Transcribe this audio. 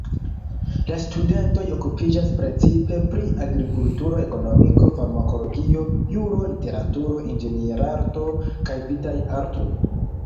La studentoj okupiĝas precipe pri agrikulturo, ekonomiko, farmakologio, juro, literaturo, inĝenierarto kaj vidaj artoj.